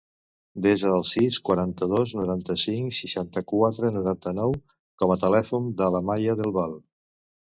Desa el sis, quaranta-dos, noranta-cinc, seixanta-quatre, noranta-nou com a telèfon de l'Amaia Del Val.